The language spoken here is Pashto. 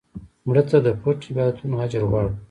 مړه ته د پټ عبادتونو اجر غواړو